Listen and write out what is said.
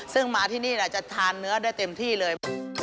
ซึ่งมาที่นี่จะทานเนื้อได้เต็มที่เลย